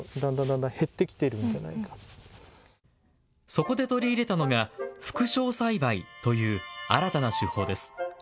そこで取り入れたのが副梢栽培という新たな手法です。